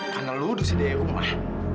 karena lo udah sedih rumah